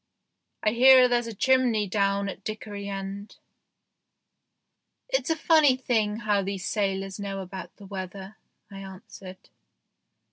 " I hear there's a chimney down at Dickory End." "It's a funny thing how these sailors know 16 THE GHOST SHIP about the weather," I answered.